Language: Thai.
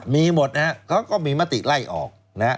มีหมดนะเขาก็มีมติไล่ออก